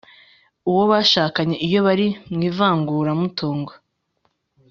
uwo bashakanye iyo bari mu ivanguramutungo